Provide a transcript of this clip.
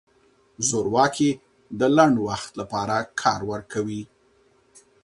زورواکي د لنډ وخت لپاره کار ورکوي.